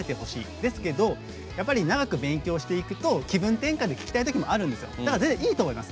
ですけど、長く勉強していくと気分転換で聴きたいときもあっていいと思います。